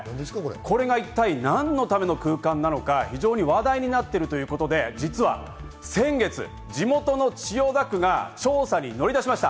これが一体何のための空間なのか、非常に話題になってるということで、実は先月、地元の千代田区が、調査に乗り出しました。